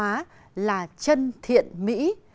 văn hóa là chân thiện mỹ